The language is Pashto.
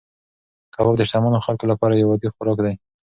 کباب د شتمنو خلکو لپاره یو عادي خوراک دی.